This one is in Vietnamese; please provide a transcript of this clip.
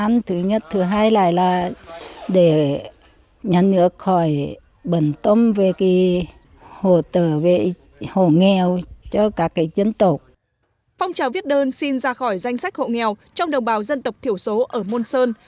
phong trào viết đơn xin ra khỏi danh sách hộ nghèo trong đồng bào dân tộc thiểu số ở môn sơn